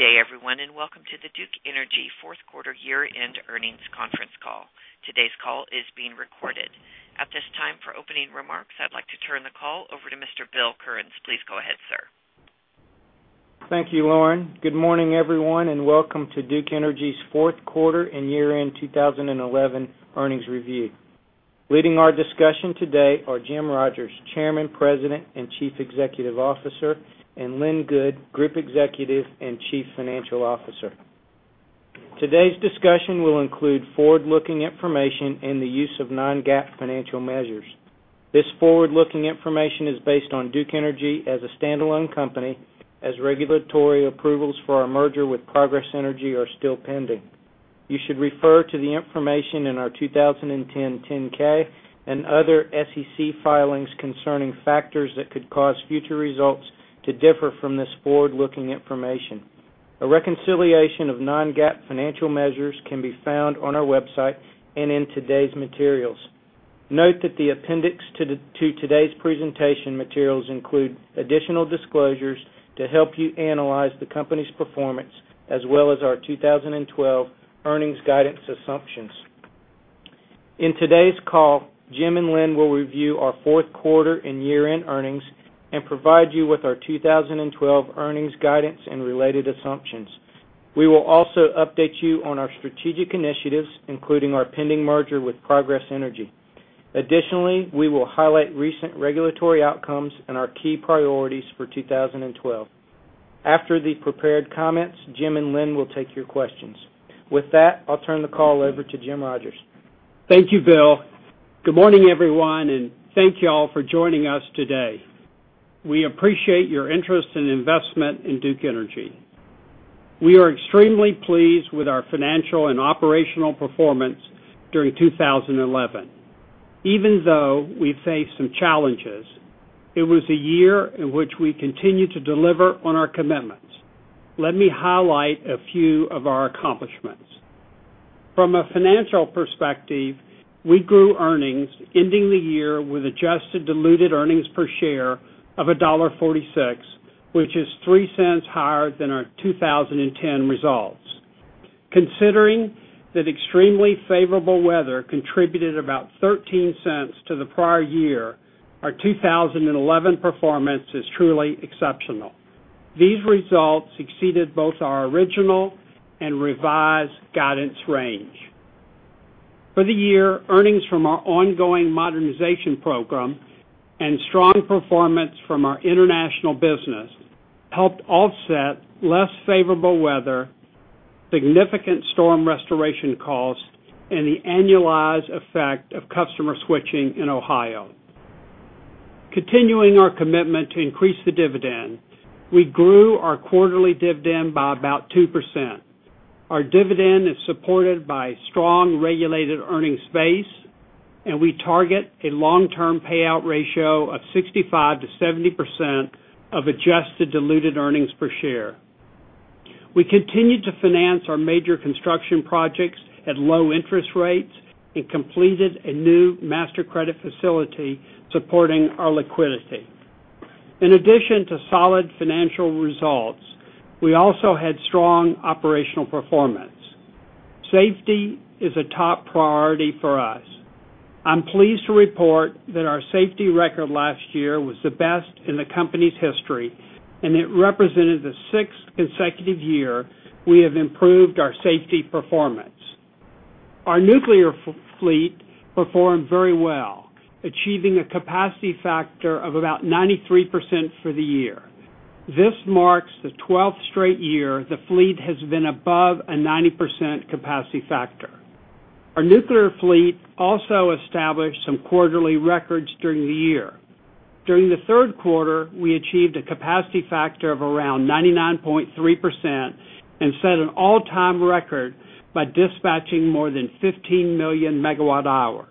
Good day, everyone, and welcome to the Duke Energy Fourth Quarter Year-End Earnings Conference call. Today's call is being recorded. At this time, for opening remarks, I'd like to turn the call over to Mr. Bill Currens. Please go ahead, sir. Thank you, Lauren. Good morning, everyone, and welcome to Duke Energy's Fourth Quarter and Year-End 2011 Earnings Review. Leading our discussion today are Jim Rogers, Chairman, President, and Chief Executive Officer, and Lynn Good, Group Executive and Chief Financial Officer. Today's discussion will include forward-looking information and the use of non-GAAP financial measures. This forward-looking information is based on Duke Energy as a standalone company, as regulatory approvals for our merger with Progress Energy are still pending. You should refer to the information in our 2010 Form 10-K and other SEC filings concerning factors that could cause future results to differ from this forward-looking information. A reconciliation of non-GAAP financial measures can be found on our website and in today's materials. Note that the appendix to today's presentation materials includes additional disclosures to help you analyze the company's performance, as well as our 2012 Earnings Guidance Assumptions. In today's call, Jim and Lynn will review our Fourth Quarter and Year-End Earnings and provide you with our 2012 Earnings Guidance and related assumptions. We will also update you on our strategic initiatives, including our pending merger with Progress Energy. Additionally, we will highlight recent regulatory outcomes and our key priorities for 2012. After the prepared comments, Jim and Lynn will take your questions. With that, I'll turn the call over to Jim Rogers. Thank you, Bill. Good morning, everyone, and thank you all for joining us today. We appreciate your interest and investment in Duke Energy. We are extremely pleased with our financial and operational performance during 2011. Even though we've faced some challenges, it was a year in which we continued to deliver on our commitments. Let me highlight a few of our accomplishments. From a financial perspective, we grew earnings, ending the year with adjusted diluted earnings per share of $1.46, which is $0.03 higher than our 2010 results. Considering that extremely favorable weather contributed about $0.13 to the prior year, our 2011 performance is truly exceptional. These results exceeded both our original and revised guidance range. For the year, earnings from our ongoing modernization program and strong performance from our international business helped offset less favorable weather, significant storm restoration costs, and the annualized effect of customer switching in Ohio. Continuing our commitment to increase the dividend, we grew our quarterly dividend by about 2%. Our dividend is supported by a strong regulated earnings base, and we target a long-term payout ratio of 65%-70% of adjusted diluted earnings per share. We continued to finance our major construction projects at low interest rates and completed a new master credit facility supporting our liquidity. In addition to solid financial results, we also had strong operational performance. Safety is a top priority for us. I'm pleased to report that our safety record last year was the best in the company's history, and it represented the sixth consecutive year we have improved our safety performance. Our nuclear fleet performed very well, achieving a capacity factor of about 93% for the year. This marks the 12th straight year the fleet has been above a 90% capacity factor. Our nuclear fleet also established some quarterly records during the year. During the third quarter, we achieved a capacity factor of around 99.3% and set an all-time record by dispatching more than 15 million megawatt-hours.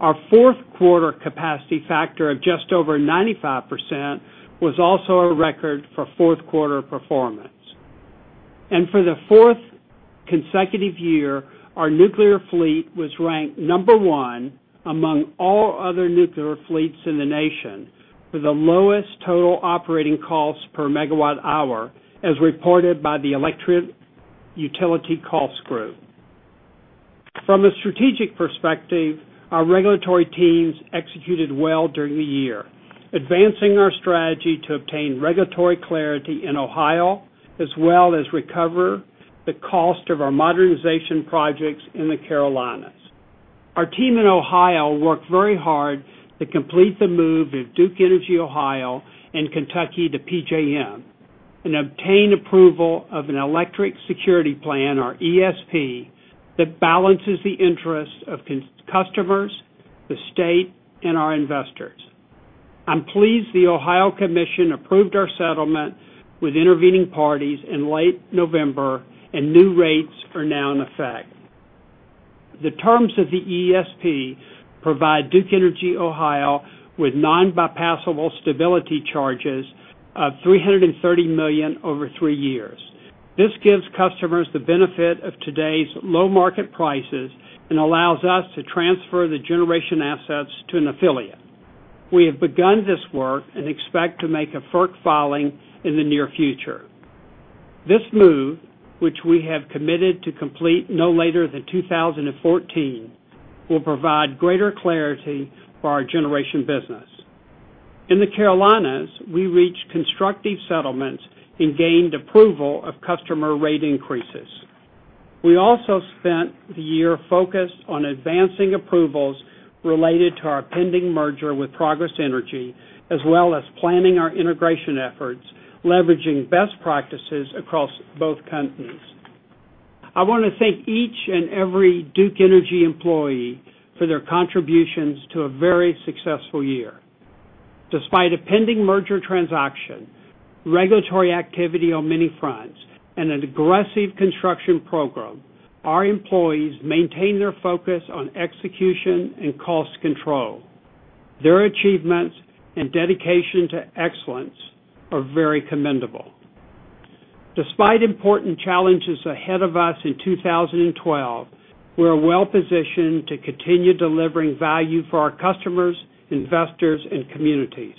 Our fourth quarter capacity factor of just over 95% was also a record for fourth quarter performance. For the fourth consecutive year, our nuclear fleet was ranked number one among all other nuclear fleets in the nation for the lowest total operating costs per megawatt-hour, as reported by the Electric Utility Cost Group. From a strategic perspective, our regulatory teams executed well during the year, advancing our strategy to obtain regulatory clarity in Ohio, as well as recover the cost of our modernization projects in the Carolinas. Our team in Ohio worked very hard to complete the move of Duke Energy Ohio and Kentucky to PJM and obtain approval of an Electric Security Plan, our ESP that balances the interests of customers, the state, and our investors. I'm pleased the Ohio Commission approved our settlement with intervening parties in late November, and new rates are now in effect. The terms of the ESP provide Duke Energy Ohio with non-bypassable stability charges of $330 million over three years. This gives customers the benefit of today's low market prices and allows us to transfer the generation assets to an affiliate. We have begun this work and expect to make a first filing in the near future. This move, which we have committed to complete no later than 2014, will provide greater clarity for our generation business. In the Carolinas, we reached constructive settlements and gained approval of customer rate increases. We also spent the year focused on advancing approvals related to our pending merger with Progress Energy, as well as planning our integration efforts, leveraging best practices across both companies. I want to thank each and every Duke Energy employee for their contributions to a very successful year. Despite a pending merger transaction, regulatory activity on many fronts, and an aggressive construction program, our employees maintained their focus on execution and cost control. Their achievements and dedication to excellence are very commendable. Despite important challenges ahead of us in 2012, we are well-positioned to continue delivering value for our customers, investors, and communities.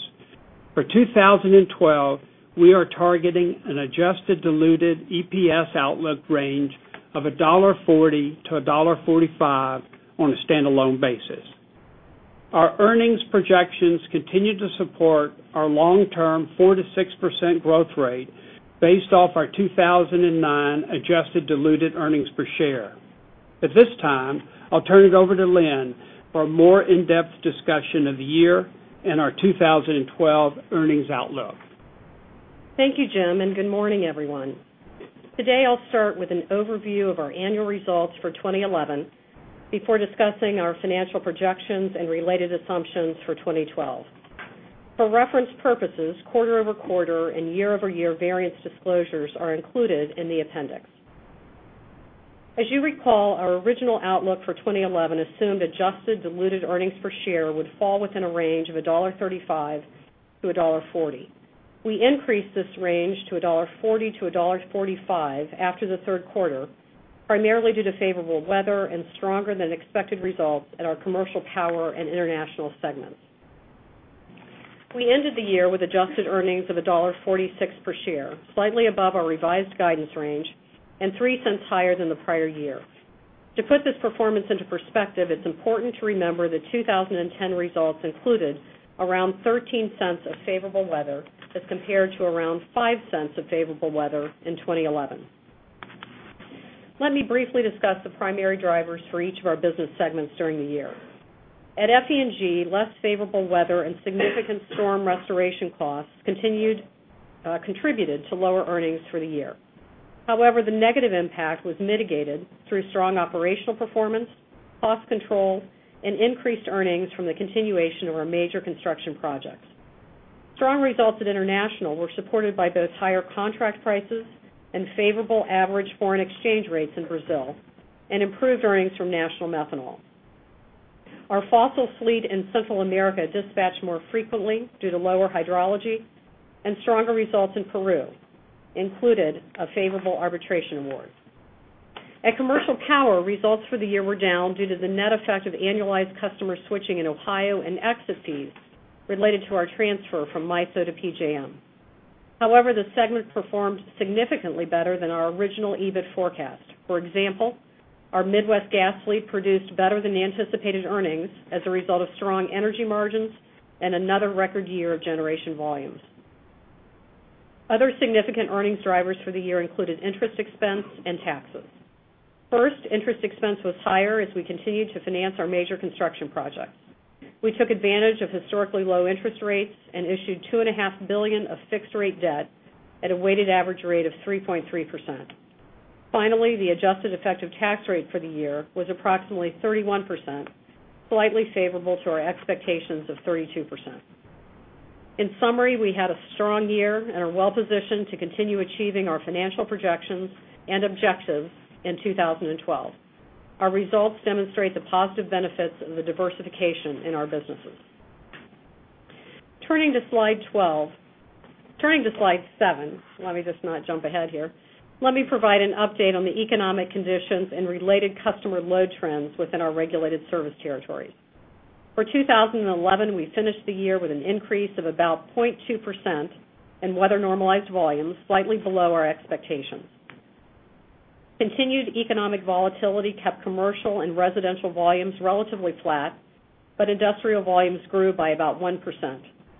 For 2012, we are targeting an adjusted diluted EPS outlook range of $1.40-$1.45 on a standalone basis. Our earnings projections continue to support our long-term 4%-6% growth rate based off our 2009 adjusted diluted earnings per share. At this time, I'll turn it over to Lynn for a more in-depth discussion of the year and our 2012 earnings outlook. Thank you, Jim, and good morning, everyone. Today, I'll start with an overview of our annual results for 2011 before discussing our financial projections and related assumptions for 2012. For reference purposes, quarter-over-quarter and year-over-year variance disclosures are included in the appendix. As you recall, our original outlook for 2011 assumed adjusted diluted earnings per share would fall within a range of $1.35-$1.40. We increased this range to $1.40-$1.45 after the third quarter, primarily due to favorable weather and stronger than expected results at our commercial power and international segments. We ended the year with adjusted earnings of $1.46 per share, slightly above our revised guidance range and $0.03 higher than the prior year. To put this performance into perspective, it's important to remember the 2010 results included around $0.13 of favorable weather as compared to around $0.05 of favorable weather in 2011. Let me briefly discuss the primary drivers for each of our business segments during the year. At FE&G, less favorable weather and significant storm restoration costs contributed to lower earnings for the year. However, the negative impact was mitigated through strong operational performance, cost control, and increased earnings from the continuation of our major construction projects. Strong results at international were supported by both higher contract prices and favorable average foreign exchange rates in Brazil and improved earnings from national methanol. Our fossil fleet in Central America dispatched more frequently due to lower hydrology and stronger results in Peru, including a favorable arbitration award. At commercial power, results for the year were down due to the net effect of annualized customer switching in Ohio and exit fees related to our transfer from MISO to PJM. However, the segment performed significantly better than our original EBIT forecast. For example, our Midwest gas fleet produced better than anticipated earnings as a result of strong energy margins and another record year of generation volumes. Other significant earnings drivers for the year included interest expense and taxes. First, interest expense was higher as we continued to finance our major construction projects. We took advantage of historically low interest rates and issued $2.5 billion of fixed-rate debt at a weighted average rate of 3.3%. Finally, the adjusted effective tax rate for the year was approximately 31%, slightly favorable to our expectations of 32%. In summary, we had a strong year and are well-positioned to continue achieving our financial projections and objectives in 2012. Our results demonstrate the positive benefits of the diversification in our businesses. Turning to slide 12, let me provide an update on the economic conditions and related customer load trends within our regulated service territory. For 2011, we finished the year with an increase of about 0.2% in weather normalized volumes, slightly below our expectations. Continued economic volatility kept commercial and residential volumes relatively flat, but industrial volumes grew by about 1%,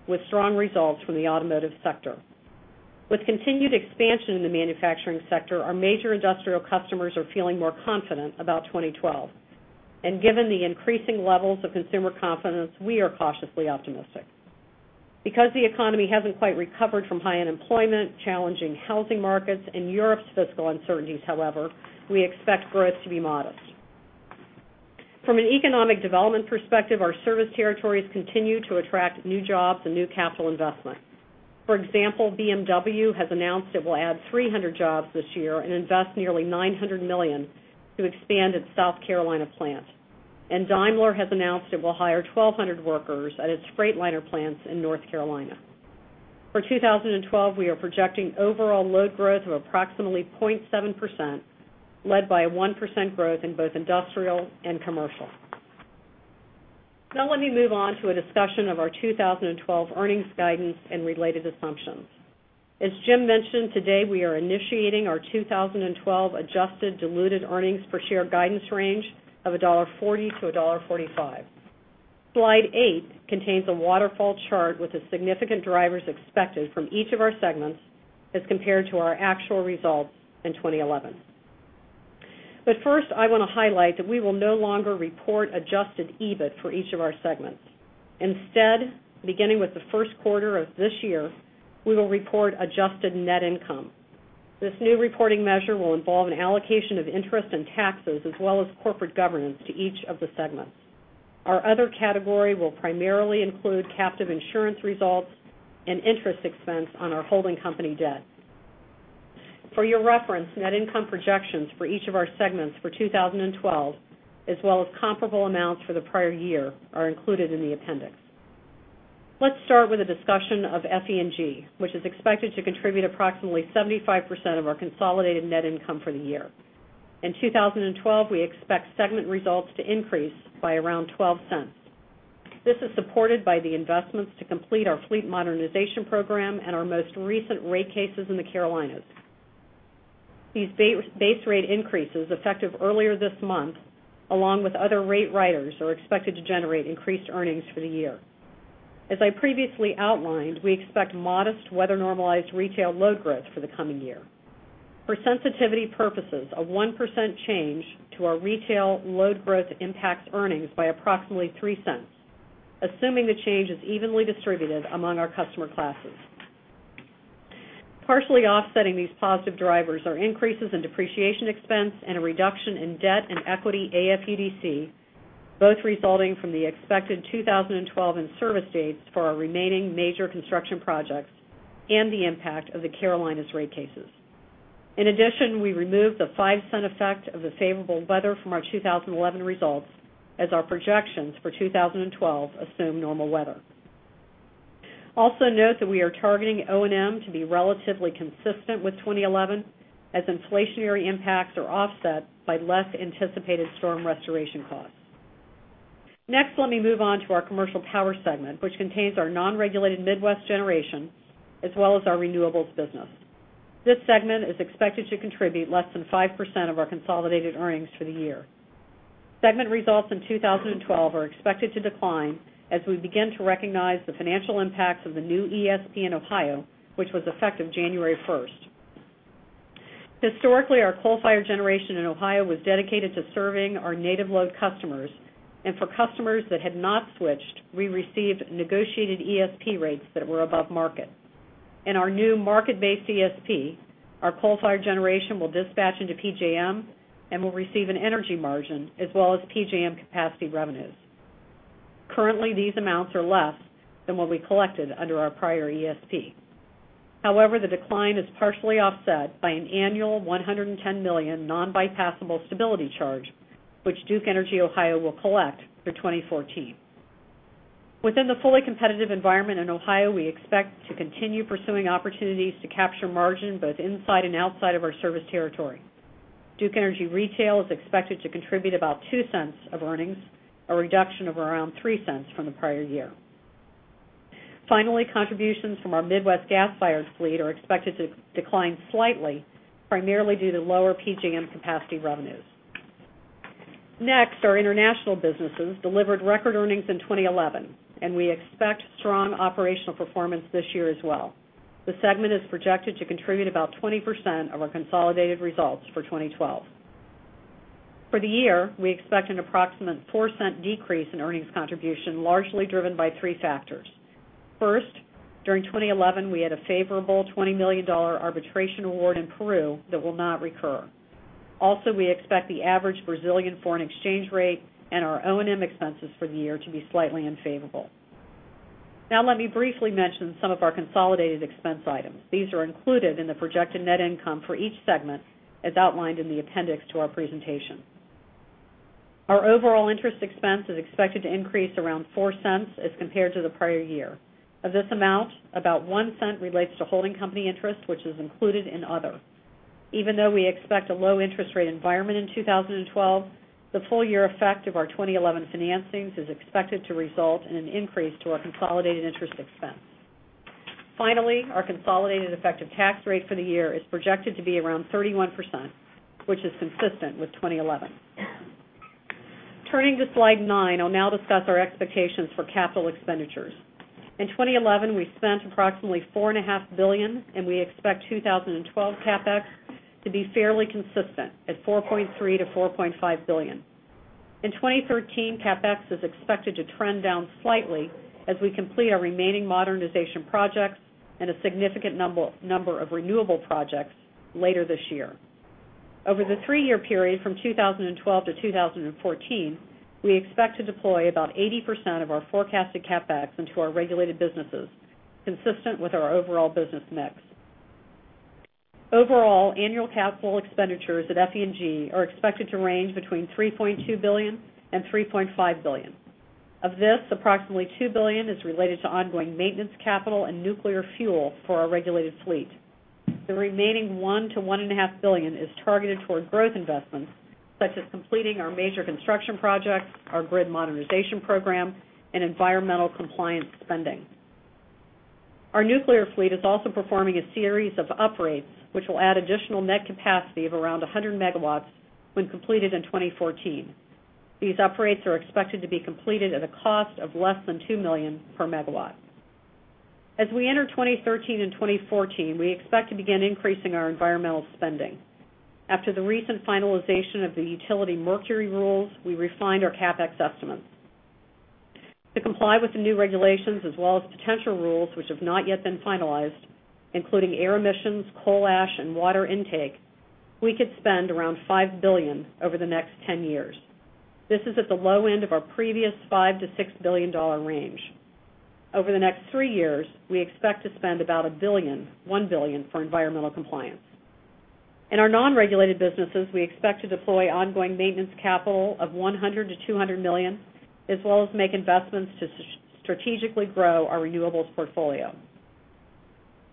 with strong results from the automotive sector. With continued expansion in the manufacturing sector, our major industrial customers are feeling more confident about 2012. Given the increasing levels of consumer confidence, we are cautiously optimistic. Because the economy hasn't quite recovered from high unemployment, challenging housing markets, and Europe's fiscal uncertainties, we expect growth to be modest. From an economic development perspective, our service territories continue to attract new jobs and new capital investment. For example, BMW has announced it will add 300 jobs this year and invest nearly $900 million to expand its South Carolina plant. Daimler has announced it will hire 1,200 workers at its Freightliner plants in North Carolina. For 2012, we are projecting overall load growth of approximately 0.7%, led by a 1% growth in both industrial and commercial. Now, let me move on to a discussion of our 2012 earnings guidance and related assumptions. As Jim mentioned, today we are initiating our 2012 adjusted diluted earnings per share guidance range of $1.40$1.45. Slide 8 contains a waterfall chart with the significant drivers expected from each of our segments as compared to our actual result in 2011. First, I want to highlight that we will no longer report adjusted EBIT for each of our segments. Instead, beginning with the first quarter of this year, we will report adjusted net income. This new reporting measure will involve an allocation of interest and taxes, as well as corporate governance to each of the segments. Our other category will primarily include captive insurance results and interest expense on our holding company debt. For your reference, net income projections for each of our segments for 2012, as well as comparable amounts for the prior year, are included in the appendix. Let's start with a discussion of FE&G, which is expected to contribute approximately 75% of our consolidated net income for the year. In 2012, we expect segment results to increase by around $0.12. This is supported by the investments to complete our fleet modernization program and our most recent rate cases in the Carolinas. These base rate increases effective earlier this month, along with other rate riders, are expected to generate increased earnings for the year. As I previously outlined, we expect modest weather-normalized retail load growth for the coming year. For sensitivity purposes, a 1% change to our retail load growth impacts earnings by approximately $0.03, assuming the change is evenly distributed among our customer classes. Partially offsetting these positive drivers are increases in depreciation expense and a reduction in debt and equity AFUDC, both resulting from the expected 2012 in-service dates for our remaining major construction projects and the impact of the Carolinas rate cases. In addition, we removed the 5% effect of the favorable weather from our 2011 results as our projections for 2012 assume normal weather. Also, note that we are targeting O&M to be relatively consistent with 2011, as inflationary impacts are offset by less anticipated storm restoration costs. Next, let me move on to our commercial power segment, which contains our non-regulated Midwest generation, as well as our renewables business. This segment is expected to contribute less than 5% of our consolidated earnings for the year. Segment results in 2012 are expected to decline as we begin to recognize the financial impacts of the new ESP in Ohio, which was effective January 1st. Historically, our coal-fired generation in Ohio was dedicated to serving our native load customers. For customers that had not switched, we received negotiated ESP rates that were above market. In our new market-based ESP, our coal-fired generation will dispatch into PJM and will receive an energy margin as well as PJM capacity revenues. Currently, these amounts are less than what we collected under our prior ESP. However, the decline is partially offset by an annual $110 million non-bypassable stability charge, which Duke Energy Ohio will collect for 2014. Within the fully competitive environment in Ohio, we expect to continue pursuing opportunities to capture margin both inside and outside of our service territory. Duke Energy Retail is expected to contribute about $0.02 of earnings, a reduction of around $0.03 from the prior year. Finally, contributions from our Midwest gas-fired fleet are expected to decline slightly, primarily due to lower PJM capacity revenues. Next, our international businesses delivered record earnings in 2011, and we expect strong operational performance this year as well. The segment is projected to contribute about 20% of our consolidated results for 2012. For the year, we expect an approximate 4% decrease in earnings contribution, largely driven by three factors. First, during 2011, we had a favorable $20 million arbitration award in Peru that will not recur. Also, we expect the average Brazilian foreign exchange rate and our O&M expenses for the year to be slightly unfavorable. Now, let me briefly mention some of our consolidated expense items. These are included in the projected net income for each segment as outlined in the appendix to our presentation. Our overall interest expense is expected to increase around $0.04 as compared to the prior year. Of this amount, about $0.01 relates to holding company interest, which is included in other. Even though we expect a low interest rate environment in 2012, the full-year effect of our 2011 financings is expected to result in an increase to our consolidated interest expense. Finally, our consolidated effective tax rate for the year is projected to be around 31%, which is consistent with 2011. Turning to slide 9, I'll now discuss our expectations for capital expenditures. In 2011, we spent approximately $4.5 billion, and we expect 2012 CapEx to be fairly consistent at $4.3-$4.5 billion. In 2013, CapEx is expected to trend down slightly as we complete our remaining modernization projects and a significant number of renewable projects later this year. Over the three-year period from 2012-2014, we expect to deploy about 80% of our forecasted CapEx into our regulated businesses, consistent with our overall business mix. Overall, annual capital expenditures at FE&G are expected to range between $3.2 billion and $3.5 billion. Of this, approximately $2 billion is related to ongoing maintenance capital and nuclear fuel for our regulated fleet. The remaining $1 billion-$1.5 billion is targeted toward growth investments, such as completing our major construction projects, our grid modernization program, and environmental compliance spending. Our nuclear fleet is also performing a series of uprates, which will add additional net capacity of around 100 megawatts when completed in 2014. These uprates are expected to be completed at a cost of less than $2 million per megawatt. As we enter 2013 and 2014, we expect to begin increasing our environmental spending. After the recent finalization of the utility mercury rules, we refined our CapEx estimates. To comply with the new regulations, as well as potential rules which have not yet been finalized, including air emissions, coal ash, and water intake, we could spend around $5 billion over the next 10 years. This is at the low end of our previous $5 billion-$6 billion range. Over the next three years, we expect to spend about $1 billion for environmental compliance. In our non-regulated businesses, we expect to deploy ongoing maintenance capital of $100 million-$200 million, as well as make investments to strategically grow our renewables portfolio.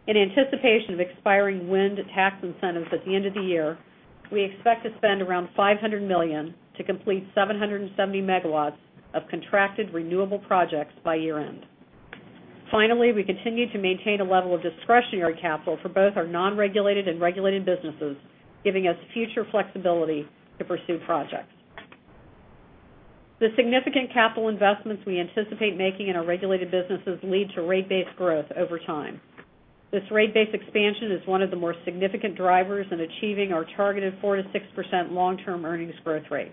In anticipation of expiring wind tax incentives at the end of the year, we expect to spend around $500 million to complete 770 megawatts of contracted renewable projects by year-end. Finally, we continue to maintain a level of discretionary capital for both our non-regulated and regulated businesses, giving us future flexibility to pursue projects. The significant capital investments we anticipate making in our regulated businesses lead to rate base growth over time. This rate base expansion is one of the more significant drivers in achieving our targeted 4%-6% long-term earnings growth rate.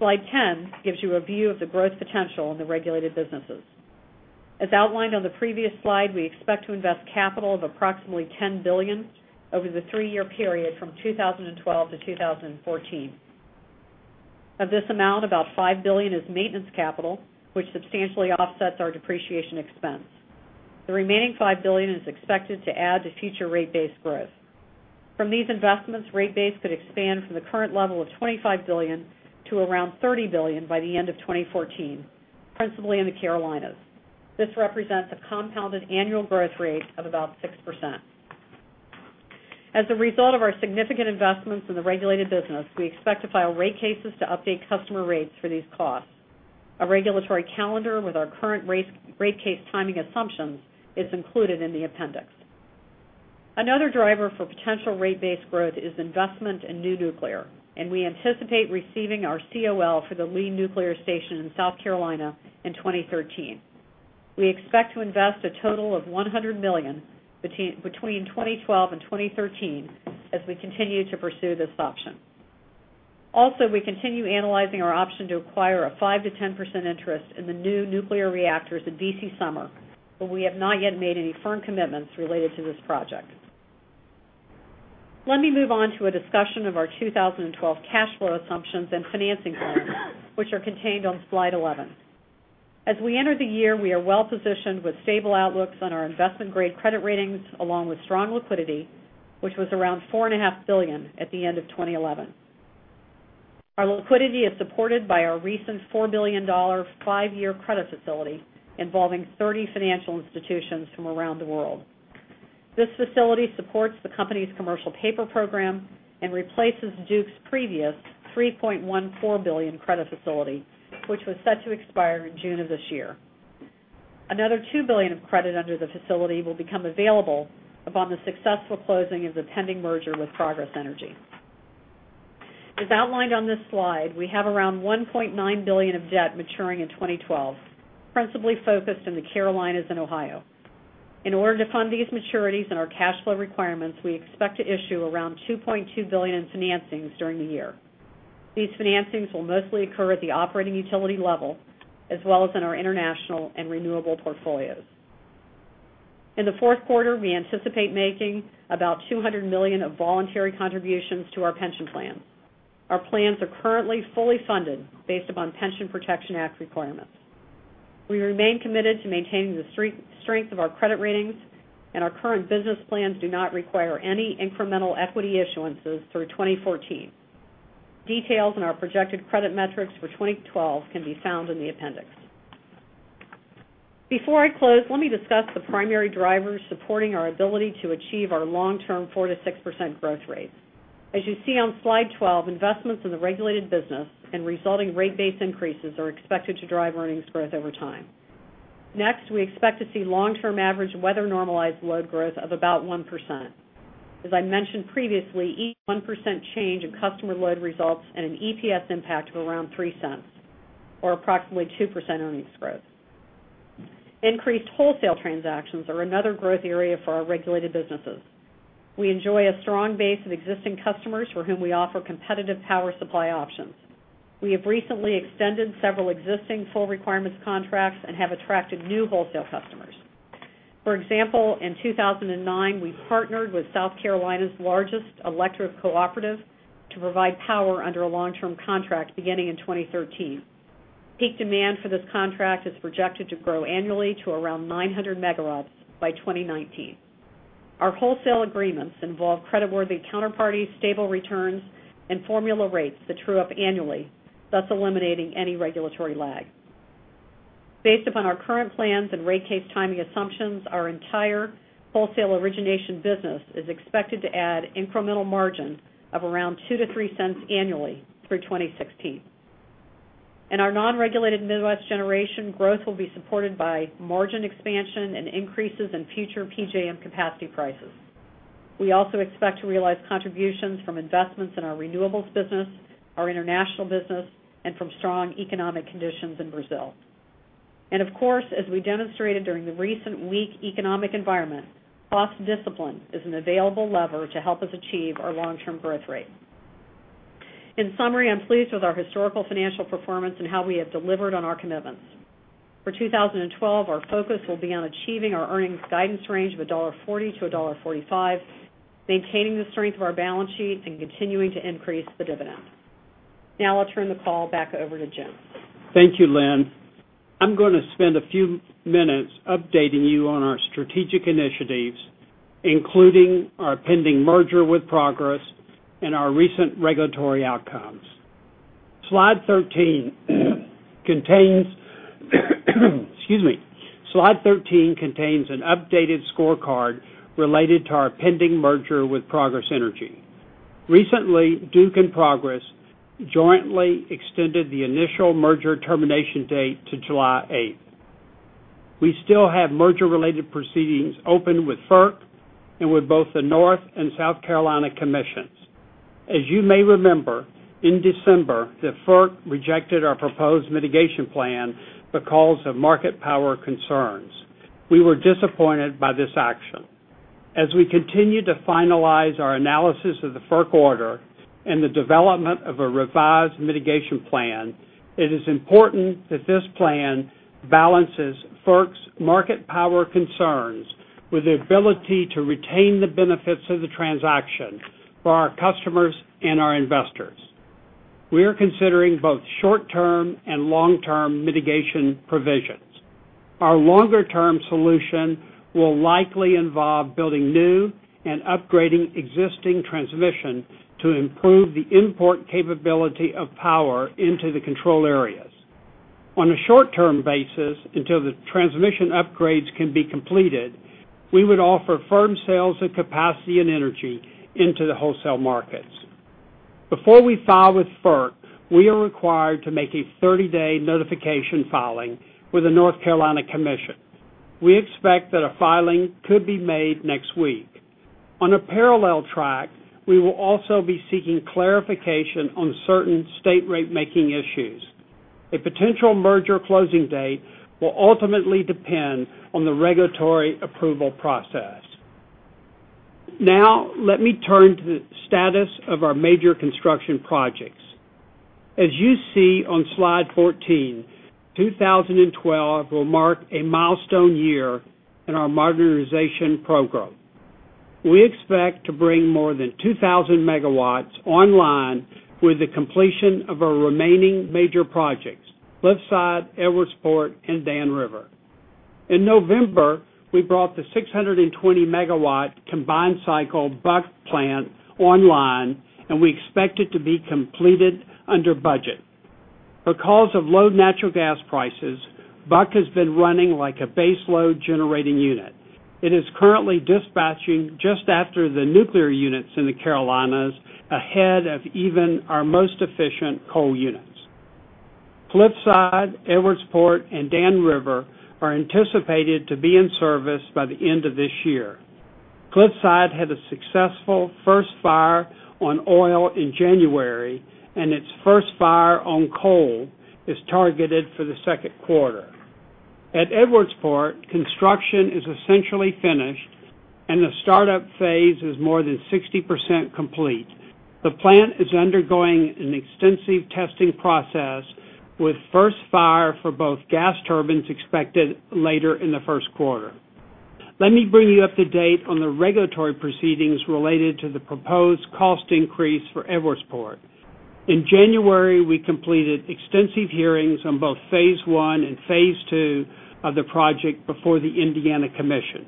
Slide 10 gives you a view of the growth potential in the regulated businesses. As outlined on the previous slide, we expect to invest capital of approximately $10 billion over the three-year period from 2012-2014. Of this amount, about $5 billion is maintenance capital, which substantially offsets our depreciation expense. The remaining $5 billion is expected to add to future rate base growth. From these investments, rate base could expand from the current level of $25 billion to around $30 billion by the end of 2014, principally in the Carolinas. This represents a compounded annual growth rate of about 6%. As a result of our significant investments in the regulated business, we expect to file rate cases to update customer rates for these costs. A regulatory calendar with our current rate case timing assumptions is included in the appendix. Another driver for potential rate base growth is investment in new nuclear, and we anticipate receiving our COL for the Lee Nuclear Station in South Carolina in 2013. We expect to invest a total of $100 million between 2012 and 2013 as we continue to pursue this option. Also, we continue analyzing our option to acquire a 5%-10% interest in the new nuclear reactors at DC Summer, but we have not yet made any firm commitments related to this project. Let me move on to a discussion of our 2012 cash flow assumptions and financing plans, which are contained on slide 11. As we enter the year, we are well-positioned with stable outlooks on our investment-grade credit ratings, along with strong liquidity, which was around $4.5 billion at the end of 2011. Our liquidity is supported by our recent $4 billion five-year credit facility involving 30 financial institutions from around the world. This facility supports the company's commercial paper program and replaces Duke's previous $3.14 billion credit facility, which was set to expire in June of this year. Another $2 billion of credit under the facility will become available upon the successful closing of the pending merger with Progress Energy. As outlined on this slide, we have around $1.9 billion of debt maturing in 2012, principally focused in the Carolinas and Ohio. In order to fund these maturities and our cash flow requirements, we expect to issue around $2.2 billion in financings during the year. These financings will mostly occur at the operating utility level, as well as in our international and renewable portfolios. In the fourth quarter, we anticipate making about $200 million of voluntary contributions to our pension plan. Our plans are currently fully funded based upon Pension Protection Act requirements. We remain committed to maintaining the strength of our credit ratings, and our current business plans do not require any incremental equity issuances through 2014. Details on our projected credit metrics for 2012 can be found in the appendix. Before I close, let me discuss the primary drivers supporting our ability to achieve our long-term 4%-6% growth rate. As you see on slide 12, investments in the regulated business and resulting rate base increases are expected to drive earnings growth over time. Next, we expect to see long-term average weather-normalized load growth of about 1%. As I mentioned previously, each 1% change in customer load results in an EPS impact of around $0.03, or approximately 2% earnings growth. Increased wholesale transactions are another growth area for our regulated businesses. We enjoy a strong base of existing customers for whom we offer competitive power supply options. We have recently extended several existing full requirements contracts and have attracted new wholesale customers. For example, in 2009, we partnered with South Carolina's largest electric cooperative to provide power under a long-term contract beginning in 2013. Peak demand for this contract is projected to grow annually to around 900 megawatts by 2019. Our wholesale agreements involve creditworthy counterparties, stable returns, and formula rates that true up annually, thus eliminating any regulatory lag. Based upon our current plans and rate case timing assumptions, our entire wholesale origination business is expected to add incremental margin of around $0.02-$0.03 annually through 2016. In our non-regulated Midwest generation, growth will be supported by margin expansion and increases in future PJM capacity prices. We also expect to realize contributions from investments in our renewables business, our international business, and from strong economic conditions in Brazil. As we demonstrated during the recent weak economic environment, cost discipline is an available lever to help us achieve our long-term growth rate. In summary, I'm pleased with our historical financial performance and how we have delivered on our commitments. For 2012, our focus will be on achieving our earnings guidance range of $1.40-$1.45, maintaining the strength of our balance sheet, and continuing to increase the dividend. Now, I'll turn the call back over to Jim. Thank you, Lynn. I'm going to spend a few minutes updating you on our strategic initiatives, including our pending merger with Progress and our recent regulatory outcomes. Slide 13 contains an updated scorecard related to our pending merger with Progress Energy. Recently, Duke and Progress jointly extended the initial merger termination date to July 8th. We still have merger-related proceedings open with FERC and with both the North and South Carolina commissions. As you may remember, in December, the FERC rejected our proposed mitigation plan because of market power concerns. We were disappointed by this action. As we continue to finalize our analysis of the FERC order and the development of a revised mitigation plan, it is important that this plan balances FERC's market power concerns with the ability to retain the benefits of the transaction for our customers and our investors. We are considering both short-term and long-term mitigation provisions. Our longer-term solution will likely involve building new and upgrading existing transmission to improve the import capability of power into the control areas. On a short-term basis, until the transmission upgrades can be completed, we would offer firm sales of capacity and energy into the wholesale markets. Before we file with FERC, we are required to make a 30-day notification filing with the North Carolina commission. We expect that a filing could be made next week. On a parallel track, we will also be seeking clarification on certain state rate-making issues. A potential merger closing date will ultimately depend on the regulatory approval process. Now, let me turn to the status of our major construction projects. As you see on slide 14, 2012 will mark a milestone year in our modernization program. We expect to bring more than 2,000 megawatts online with the completion of our remaining major projects: Cliffside, Edwardsport, and Dan River. In November, we brought the 620-megawatt combined cycle Buck plant online, and we expect it to be completed under budget. Because of low natural gas prices, Buck has been running like a base load generating unit. It is currently dispatching just after the nuclear units in the Carolinas, ahead of even our most efficient coal units. Cliffside, Edwardsport, and Dan River are anticipated to be in service by the end of this year. Cliffside had a successful first fire on oil in January, and its first fire on coal is targeted for the second quarter. At Edwardsport, construction is essentially finished, and the startup phase is more than 60% complete. The plant is undergoing an extensive testing process, with first fire for both gas turbines expected later in the first quarter. Let me bring you up to date on the regulatory proceedings related to the proposed cost increase for Edwardsport. In January, we completed extensive hearings on both phase I and phase II of the project before the Indiana Commission.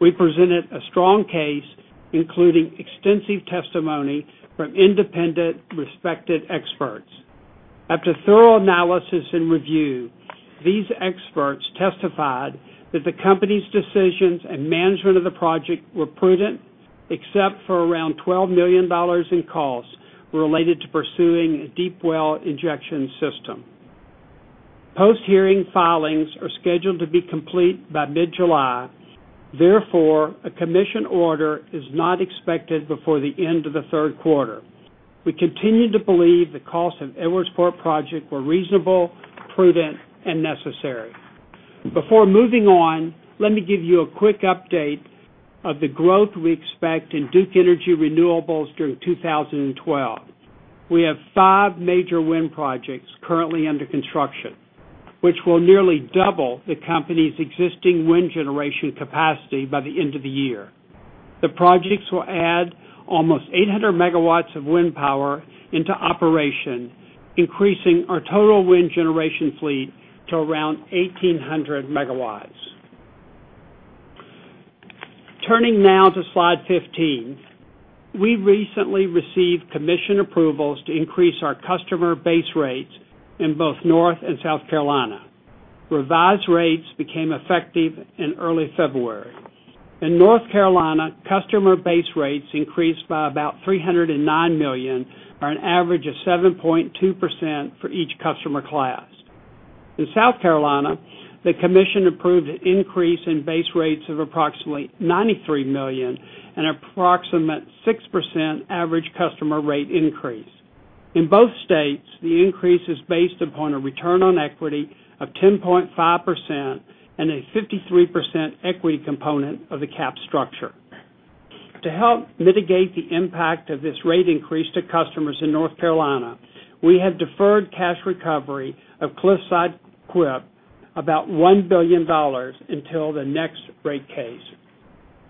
We presented a strong case, including extensive testimony from independent, respected experts. After thorough analysis and review, these experts testified that the company's decisions and management of the project were prudent, except for around $12 million in costs related to pursuing a deep well injection system. Post-hearing filings are scheduled to be complete by mid-July. Therefore, a commission order is not expected before the end of the third quarter. We continue to believe the costs of the Edwardsport project were reasonable, prudent, and necessary. Before moving on, let me give you a quick update of the growth we expect in Duke Energy Renewables during 2012. We have five major wind projects currently under construction, which will nearly double the company's existing wind generation capacity by the end of the year. The projects will add almost 800 megawatts of wind power into operation, increasing our total wind generation fleet to around 1,800 megawatts. Turning now to slide 15, we recently received commission approvals to increase our customer base rates in both North and South Carolina. Revised rates became effective in early February. In North Carolina, customer base rates increased by about $309 million, or an average of 7.2% for each customer class. In South Carolina, the commission approved an increase in base rates of approximately $93 million and an approximate 6% average customer rate increase. In both states, the increase is based upon a return on equity of 10.5% and a 53% equity component of the cap structure. To help mitigate the impact of this rate increase to customers in North Carolina, we have deferred cash recovery of Cliffside EQIP about $1 billion until the next rate case.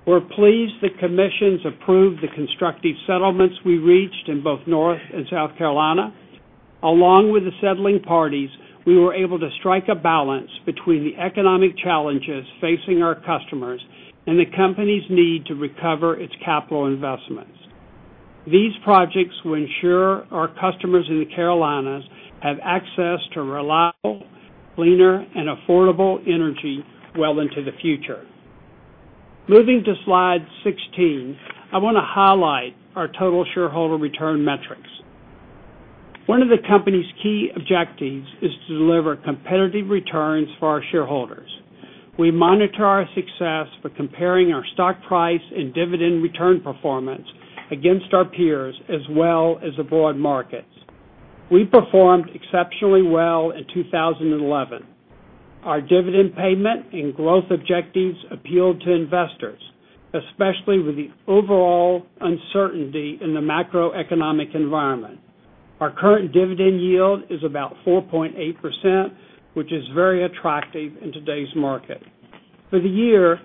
We're pleased the commissions approved the constructive settlements we reached in both North and South Carolina. Along with the settling parties, we were able to strike a balance between the economic challenges facing our customers and the company's need to recover its capital investments. These projects will ensure our customers in the Carolinas have access to reliable, cleaner, and affordable energy well into the future. Moving to slide 16, I want to highlight our total shareholder return metrics. One of the company's key objectives is to deliver competitive returns for our shareholders. We monitor our success by comparing our stock price and dividend return performance against our peers, as well as the broad markets. We performed exceptionally well in 2011. Our dividend payment and growth objectives appealed to investors, especially with the overall uncertainty in the macroeconomic environment. Our current dividend yield is about 4.8%, which is very attractive in today's market. For the year,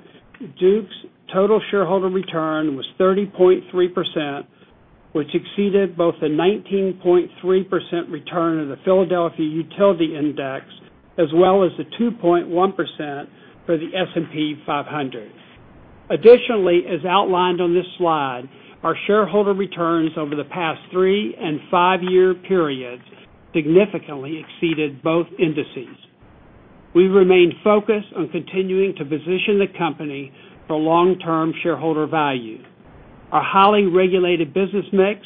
Duke Energy's total shareholder return was 30.3%, which exceeded both the 19.3% return of the Philadelphia Utility Index, as well as the 2.1% for the S&P 500. Additionally, as outlined on this slide, our shareholder returns over the past three and five-year periods significantly exceeded both indices. We remain focused on continuing to position the company for long-term shareholder value. Our highly regulated business mix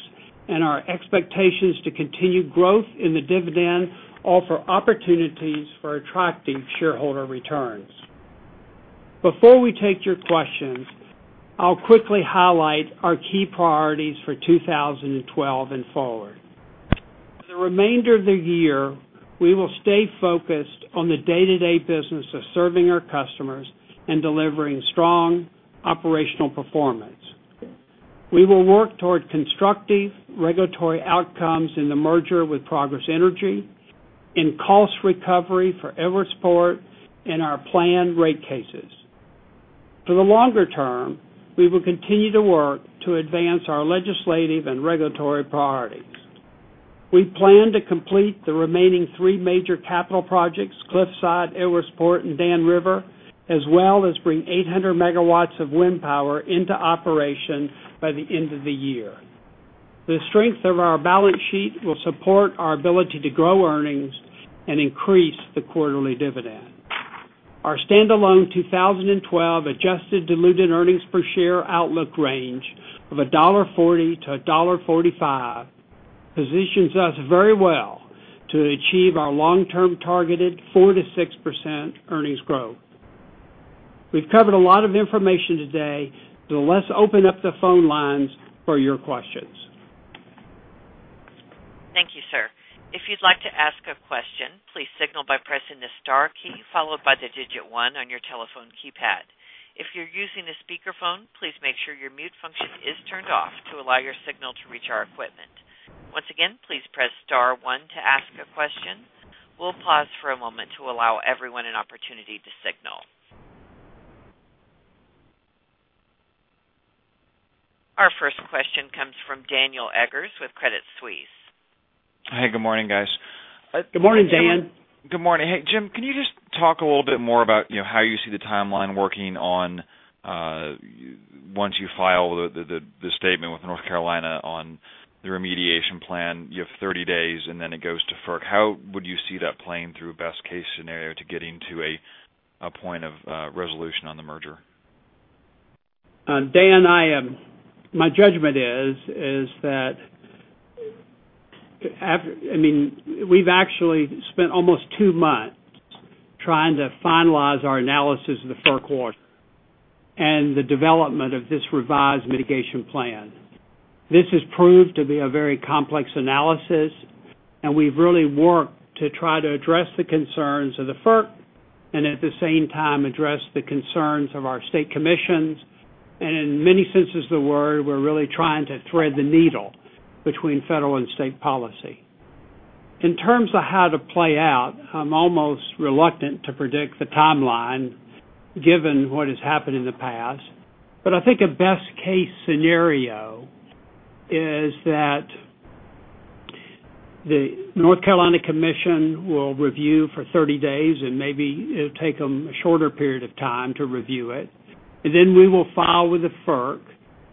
and our expectations to continue growth in the dividend offer opportunities for attractive shareholder returns. Before we take your questions, I'll quickly highlight our key priorities for 2012 and forward. For the remainder of the year, we will stay focused on the day-to-day business of serving our customers and delivering strong operational performance. We will work toward constructive regulatory outcomes in the merger with Progress Energy, in cost recovery for Edwardsport, and our planned rate cases. For the longer term, we will continue to work to advance our legislative and regulatory priorities. We plan to complete the remaining three major capital projects: Cliffside, Edwardsport, and Dan River, as well as bring 800 megawatts of wind power into operation by the end of the year. The strength of our balance sheet will support our ability to grow earnings and increase the quarterly dividend. Our standalone 2012 adjusted diluted earnings per share outlook range of $1.40-$1.45 positions us very well to achieve our long-term targeted 4%-6% earnings growth. We've covered a lot of information today, so let's open up the phone lines for your questions. Thank you, sir. If you'd like to ask a question, please signal by pressing the star key followed by the digit one on your telephone keypad. If you're using a speakerphone, please make sure your mute function is turned off to allow your signal to reach our equipment. Once again, please press star one to ask a question. We'll pause for a moment to allow everyone an opportunity to signal. Our first question comes from Daniel Eggers with Credit Suisse. Hey, good morning, guys. Good morning, Dan. Good morning. Jim, can you just talk a little bit more about how you see the timeline working on, once you file the statement with North Carolina on the remediation plan? You have 30 days, and then it goes to FERC. How would you see that playing through best case scenario to getting to a point of resolution on the merger? Dan, my judgment is that after, I mean, we've actually spent almost two months trying to finalize our analysis of the third quarter and the development of this revised mitigation plan. This has proved to be a very complex analysis, and we've really worked to try to address the concerns of the FERC and at the same time address the concerns of our state commissions. In many senses of the word, we're really trying to thread the needle between federal and state policy. In terms of how to play out, I'm almost reluctant to predict the timeline given what has happened in the past. I think a best case scenario is that the North Carolina commission will review for 30 days, and maybe it'll take them a shorter period of time to review it. We will file with the FERC,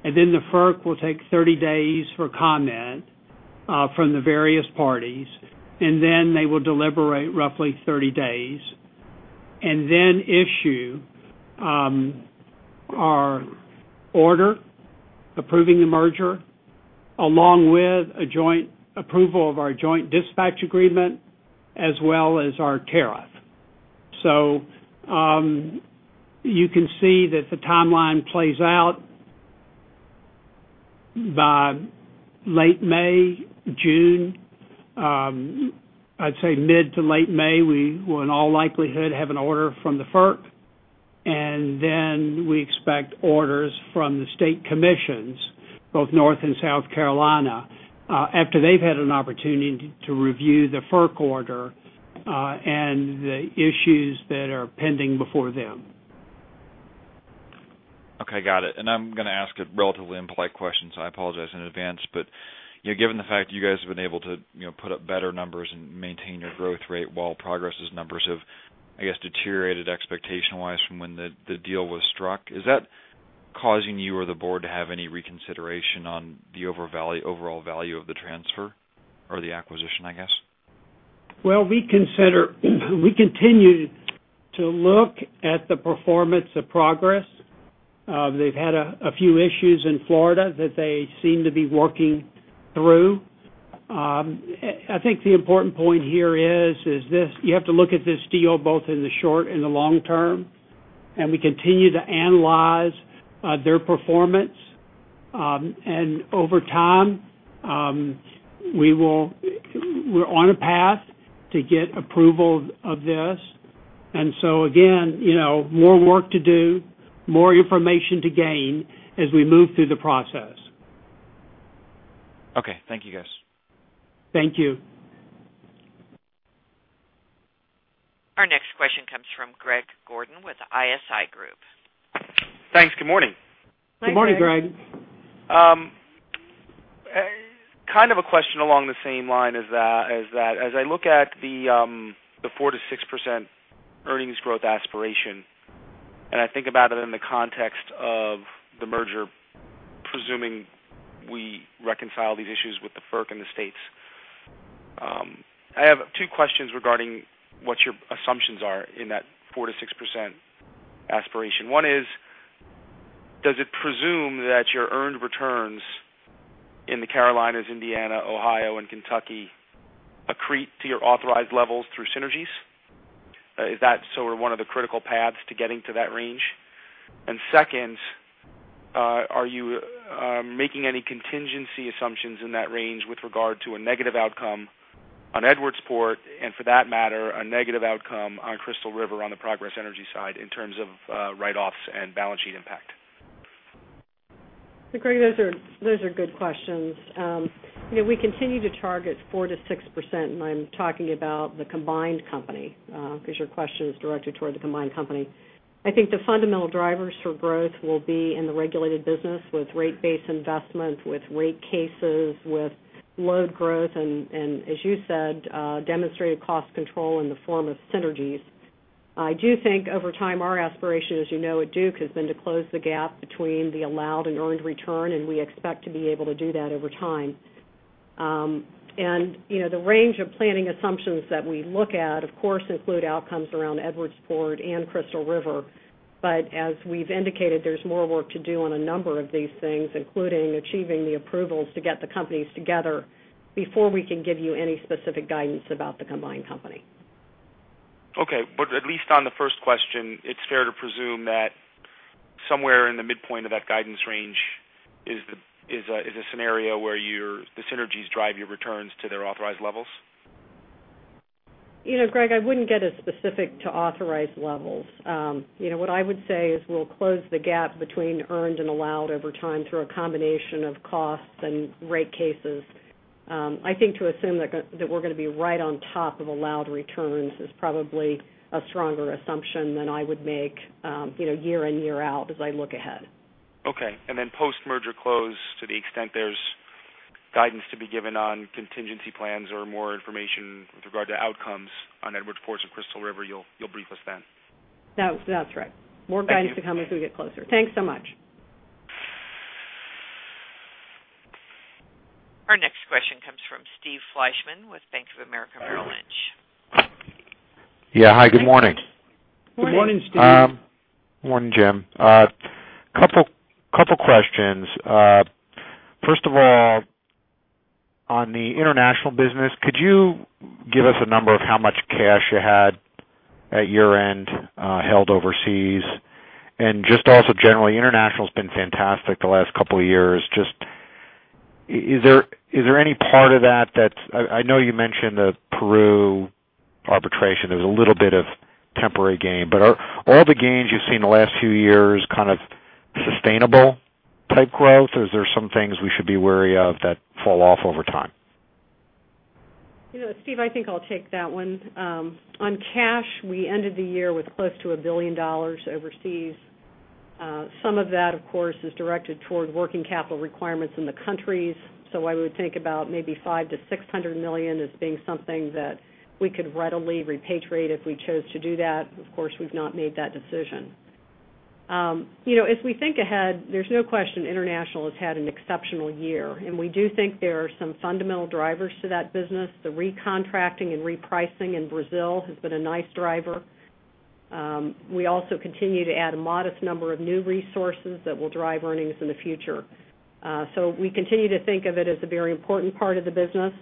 and then the FERC will take 30 days for comment from the various parties, and then they will deliberate roughly 30 days and then issue our order approving the merger along with a joint approval of our joint dispatch agreement as well as our tariff. You can see that the timeline plays out by late May, June. I'd say mid to late May, we will in all likelihood have an order from the FERC, and then we expect orders from the state commissions, both North and South Carolina, after they've had an opportunity to review the FERC order and the issues that are pending before them. Okay, got it. I'm going to ask a relatively impolite question, so I apologize in advance. Given the fact that you guys have been able to put up better numbers and maintain your growth rate while Progress's numbers have, I guess, deteriorated expectation-wise from when the deal was struck, is that causing you or the board to have any reconsideration on the overall value of the transfer or the acquisition, I guess? We continue to look at the performance of Progress. They've had a few issues in Florida that they seem to be working through. I think the important point here is this: you have to look at this deal both in the short and the long term. We continue to analyze their performance, and over time, we're on a path to get approval of this. Again, more work to do, more information to gain as we move through the process. Okay, thank you, guys. Thank you. Our next question comes from Greg Gordon with ISI. Group Thanks. Good morning. Good morning, Greg. Good morning, Greg. Kind of a question along the same line as that is that as I look at the 4%-6% earnings growth aspiration, and I think about it in the context of the merger, presuming we reconcile these issues with the FERC and the states, I have two questions regarding what your assumptions are in that 4%-6% aspiration. One is, does it presume that your earned returns in the Carolinas, Indiana, Ohio, and Kentucky accrete to your authorized levels through synergies? Is that so or one of the critical paths to getting to that range? Second, are you making any contingency assumptions in that range with regard to a negative outcome on Edwardsport and, for that matter, a negative outcome on Crystal River on the Progress Energy side in terms of write-offs and balance sheet impact? Greg, those are good questions. You know, we continue to target 4%-6%, and I'm talking about the combined company because your question is directed toward the combined company. I think the fundamental drivers for growth will be in the regulated business with rate base investments, with rate cases, with load growth, and, as you said, demonstrated cost control in the form of synergies. I do think over time, our aspiration, as you know, at Duke Energy, has been to close the gap between the allowed and earned return, and we expect to be able to do that over time. The range of planning assumptions that we look at, of course, include outcomes around Edwardsport and Crystal River. As we've indicated, there's more work to do on a number of these things, including achieving the approvals to get the companies together before we can give you any specific guidance about the combined company. Okay. At least on the first question, it's fair to presume that somewhere in the midpoint of that guidance range is a scenario where the synergies drive your returns to their authorized levels? You know, Greg, I wouldn't get as specific to authorized levels. What I would say is we'll close the gap between earned and allowed over time through a combination of costs and rate cases. I think to assume that we're going to be right on top of allowed returns is probably a stronger assumption than I would make, year in, year out as I look ahead. Okay. Post-merger close, to the extent there's guidance to be given on contingency plans or more information with regard to outcomes on Edwardsport or Crystal River, you'll brief us then. No, that's right. More guidance to come as we get closer. Thanks so much. Our next question comes from Steve Fleischman with Bank of America Merrill Lynch. Yeah, hi, good morning. Good morning, Steve. Morning, Jim. A couple of questions. First of all, on the international business, could you give us a number of how much cash you had at your end held overseas? Also, generally, international has been fantastic the last couple of years. Is there any part of that that's, I know you mentioned the Peru arbitration. There was a little bit of temporary gain. Are all the gains you've seen in the last few years kind of sustainable type growth, or is there some things we should be wary of that fall off over time? You know, Steve, I think I'll take that one. On cash, we ended the year with close to $1 billion overseas. Some of that, of course, is directed toward working capital requirements in the countries. I would think about maybe $500 million-$600 million as being something that we could readily repatriate if we chose to do that. Of course, we've not made that decision. As we think ahead, there's no question international has had an exceptional year. We do think there are some fundamental drivers to that business. The re-contracting and re-pricing in Brazil has been a nice driver. We also continue to add a modest number of new resources that will drive earnings in the future. We continue to think of it as a very important part of the business.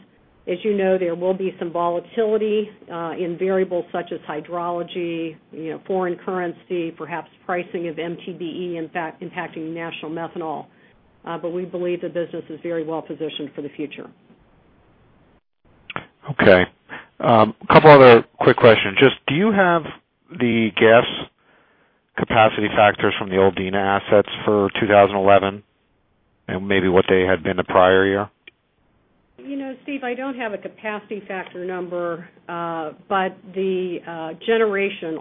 As you know, there will be some volatility in variables such as hydrology, foreign currency, perhaps pricing of MTBE impacting national methanol. We believe the business is very well positioned for the future. Okay. A couple of other quick questions. Do you have the gas capacity factors from the old Dan River assets for 2011 and maybe what they had been the prior year? You know, Steve, I don't have a capacity factor number, but the generation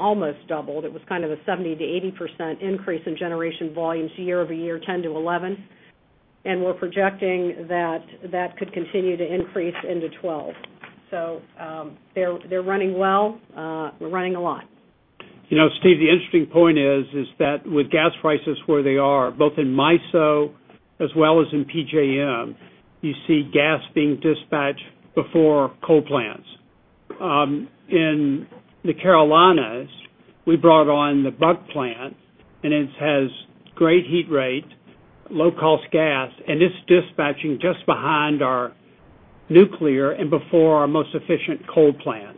almost doubled. It was kind of a 70%-80% increase in generation volumes year over year, 10%-11%. We're projecting that that could continue to increase into 12%. They're running well. We're running a lot. You know, Steve, the interesting point is that with gas prices where they are, both in MISO as well as in PJM, you see gas being dispatched before coal plants. In the Carolinas, we brought on the Buck plant, and it has great heat rate, low-cost gas, and it's dispatching just behind our nuclear and before our most efficient coal plants.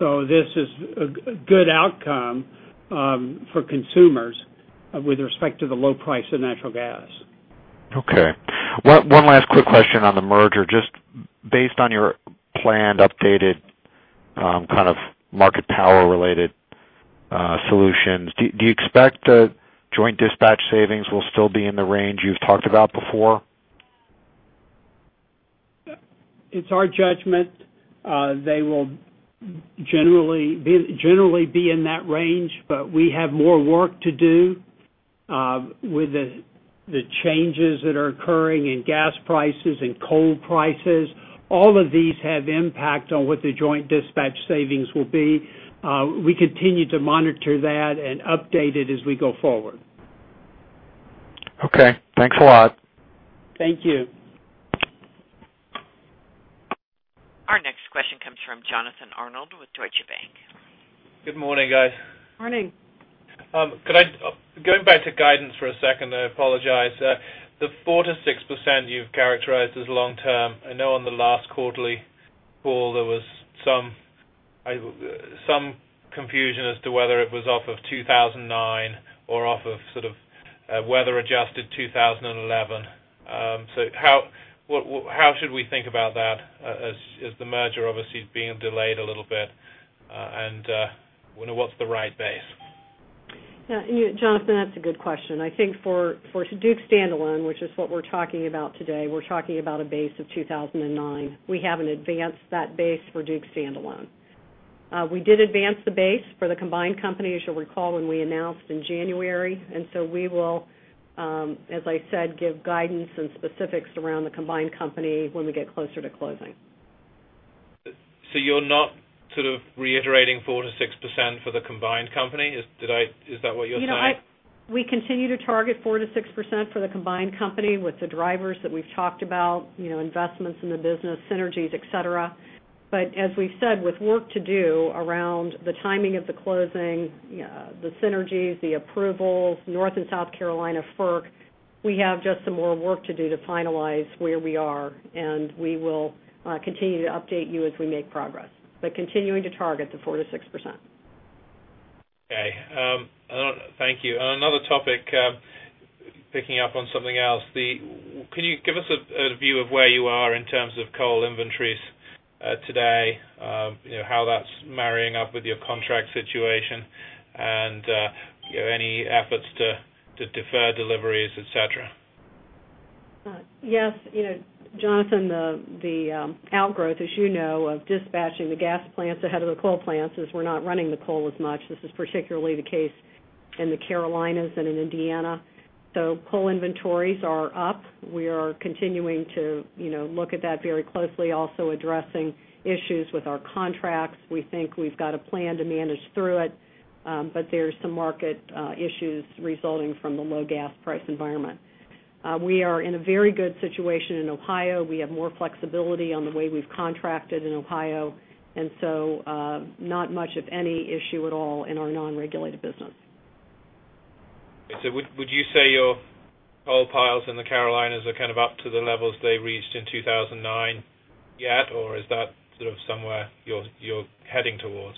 This is a good outcome for consumers with respect to the low price of natural gas. Okay. One last quick question on the merger. Just based on your planned updated kind of market power-related solutions, do you expect the joint dispatch savings will still be in the range you've talked about before? It's our judgment. They will generally be in that range, but we have more work to do with the changes that are occurring in gas prices and coal prices. All of these have impact on what the joint dispatch savings will be. We continue to monitor that and update it as we go forward. Okay, thanks a lot. Thank you. Our next question comes from Jonathan Arnold with Deutsche Bank. Good morning, guys. Morning. Could I go back to guidance for a second? I apologize. The 4%-6% you've characterized as long-term, I know on the last quarterly call there was some confusion as to whether it was off of 2009 or off of sort of weather-adjusted 2011. How should we think about that as the merger obviously is being delayed a little bit? What's the right base? Yeah. You know, Jonathan, that's a good question. I think for Duke standalone, which is what we're talking about today, we're talking about a base of 2009. We haven't advanced that base for Duke standalone. We did advance the base for the combined company, as you'll recall, when we announced in January. We will, as I said, give guidance and specifics around the combined company when we get closer to closing. You're not sort of reiterating 4%-6% for the combined company? Is that what you're saying? You know, we continue to target 4%-6% for the combined company with the drivers that we've talked about, investments in the business, synergies, et cetera As we've said, with work to do around the timing of the closing, the synergies, the approvals, North and South Carolina FERC, we have just some more work to do to finalize where we are. We will continue to update you as we make progress, continuing to target the 4%-6%. Okay. Thank you. Another topic, picking up on something else, can you give us a view of where you are in terms of coal inventories today, how that's marrying up with your contract situation, and any efforts to defer deliveries, et cetera? Yes. Jonathan, the outgrowth, as you know, of dispatching the gas plants ahead of the coal plants is we're not running the coal as much. This is particularly the case in the Carolinas and in Indiana. Coal inventories are up. We are continuing to look at that very closely, also addressing issues with our contracts. We think we've got a plan to manage through it, but there are some market issues resulting from the low gas price environment. We are in a very good situation in Ohio. We have more flexibility on the way we've contracted in Ohio, and not much, if any, issue at all in our non-regulated business. Would you say your coal piles in the Carolinas are kind of up to the levels they reached in 2009 yet, or is that sort of somewhere you're heading towards?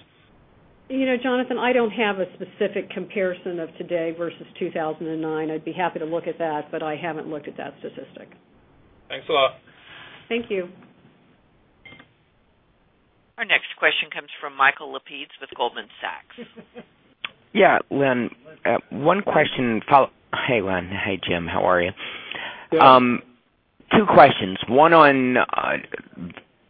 You know, Jonathan, I don't have a specific comparison of today versus 2009. I'd be happy to look at that, but I haven't looked at that statistic. Thanks a lot. Thank you. Our next question comes from Michael Lapides with Goldman Sachs. Yeah, Lynn. One question. Hey, Lynn. Hey, Jim. How are you? Good. Two questions. One on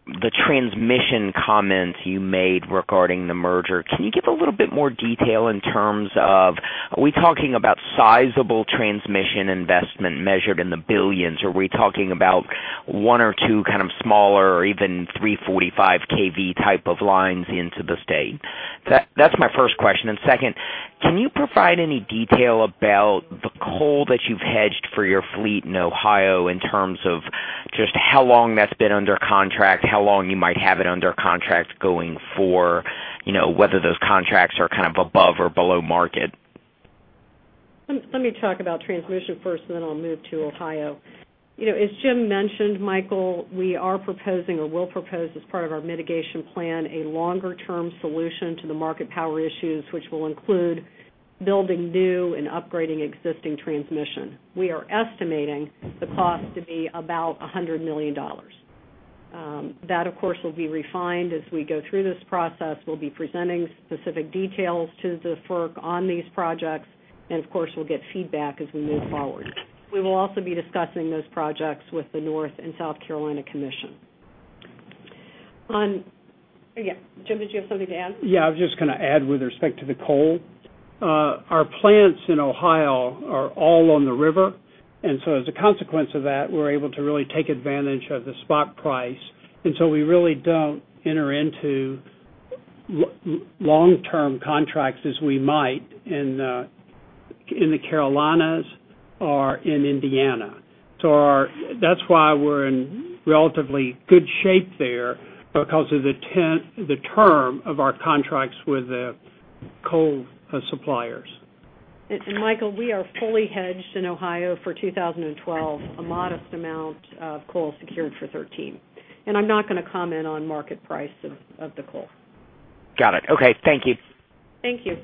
the transmission comments you made regarding the merger. Can you give a little bit more detail in terms of are we talking about sizable transmission investment measured in the billions, or are we talking about one or two kind of smaller or even 345 KB type of lines into the state? That's my first question. Second, can you provide any detail about the coal that you've hedged for your fleet in Ohio in terms of just how long that's been under contract, how long you might have it under contract going for, you know, whether those contracts are kind of above or below market? Let me talk about transmission first, and then I'll move to Ohio. As James Rogers mentioned, Michael, we are proposing or will propose as part of our mitigation plan a longer-term solution to the market power issues, which will include building new and upgrading existing transmission. We are estimating the cost to be about $100 million. That, of course, will be refined as we go through this process. We'll be presenting specific details to the FERC on these projects. We will get feedback as we move forward. We will also be discussing those projects with the North and South Carolina commission. Jim, did you have something to add? Yeah, I was just going to add with respect to the coal. Our plants in Ohio are all on the river, and as a consequence of that, we're able to really take advantage of the spot price. We really don't enter into long-term contracts as we might in the Carolinas or in Indiana. That's why we're in relatively good shape there because of the term of our contracts with the coal suppliers. Michael, we are fully hedged in Ohio for 2012, a modest amount of coal secured for 2013. I'm not going to comment on market price of the coal. Got it. Okay, thank you. Thank you.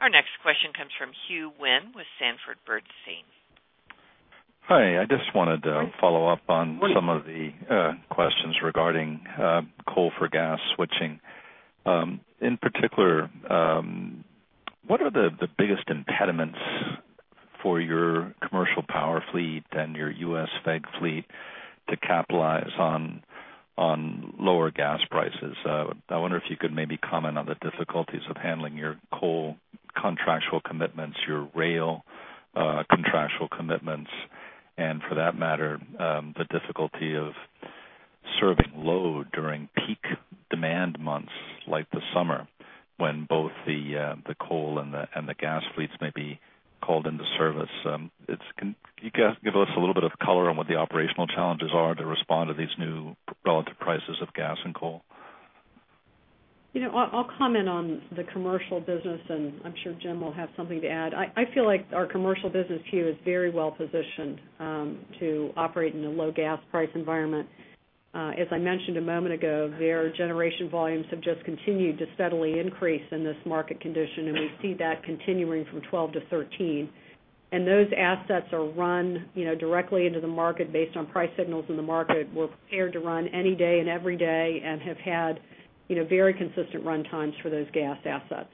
Our next question comes from Hugh Wynne with Sanford Bernstein. Hi. I just wanted to follow up on some of the questions regarding coal-to-gas switching. In particular, what are the biggest impediments for your commercial power fleet and your U.S. FE&G fleet to capitalize on lower gas prices? I wonder if you could maybe comment on the difficulties of handling your coal contractual commitments, your rail contractual commitments, and for that matter, the difficulty of serving load during peak demand months like the summer when both the coal and the gas fleets may be called into service. Can you give us a little bit of color on what the operational challenges are to respond to these new relative prices of gas and coal? I'll comment on the commercial business, and I'm sure Jim will have something to add. I feel like our commercial business here is very well positioned to operate in a low gas price environment. As I mentioned a moment ago, their generation volumes have just continued to steadily increase in this market condition, and we see that continuing from 2012-2013. Those assets are run directly into the market based on price signals in the market. We're prepared to run any day and every day and have had very consistent run times for those gas assets.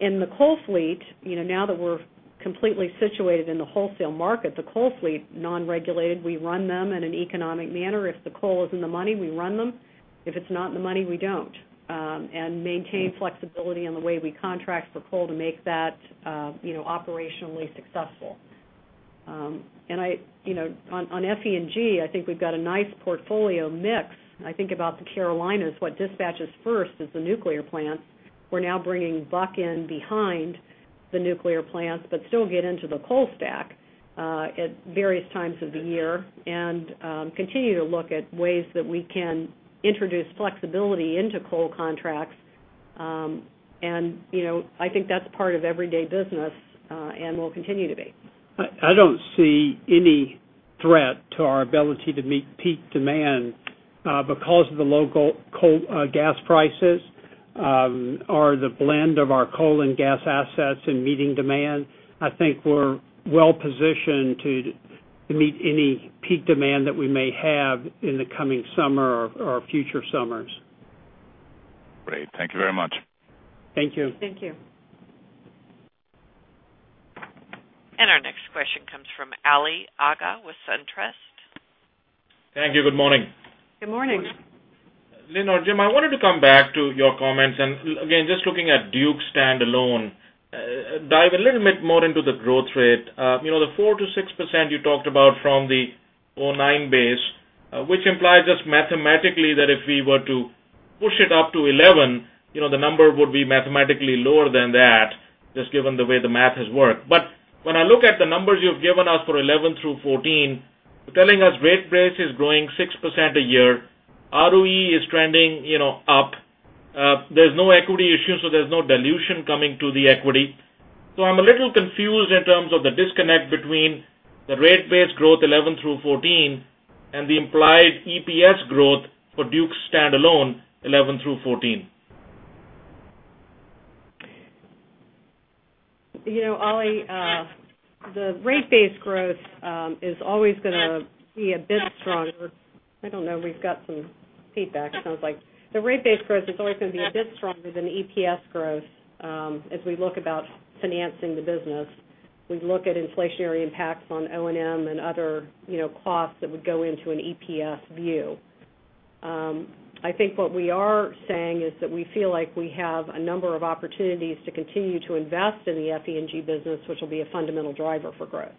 The coal fleet, now that we're completely situated in the wholesale market, the coal fleet, non-regulated, we run them in an economic manner. If the coal is in the money, we run them. If it's not in the money, we don't. We maintain flexibility in the way we contract for coal to make that operationally successful. On FE&G, I think we've got a nice portfolio mix. I think about the Carolinas, what dispatches first is the nuclear plants. We're now bringing Buck in behind the nuclear plants, but still get into the coal stack at various times of the year and continue to look at ways that we can introduce flexibility into coal contracts. I think that's part of everyday business and will continue to be. I don't see any threat to our ability to meet peak demand because of the low gas prices or the blend of our coal and gas assets in meeting demand. I think we're well positioned to meet any peak demand that we may have in the coming summer or future summers. Great, thank you very much. Thank you. Thank you. Our next question comes from Ali Agha with SunTrust. Thank you. Good morning. Good morning. Lynn or Jim, I wanted to come back to your comments and, again, just looking at Duke standalone, dive a little bit more into the growth rate. The 4%-6% you talked about from the 2009 base, which implies just mathematically that if we were to push it up to 2011, the number would be mathematically lower than that, just given the way the math has worked. When I look at the numbers you've given us for 2011 through 2014, you're telling us rate base is growing 6% a year. ROE is trending up. There's no equity issue, so there's no dilution coming to the equity. I'm a little confused in terms of the disconnect between the rate base growth 2011 through 2014 and the implied EPS growth for Duke standalone 2011 through 2014. You know, Ali, the rate base growth is always going to be a bit stronger. The rate base growth is always going to be a bit stronger than the EPS growth as we look about financing the business. We look at inflationary impacts on O&M and other costs that would go into an EPS view. I think what we are saying is that we feel like we have a number of opportunities to continue to invest in the FE&G business, which will be a fundamental driver for growth.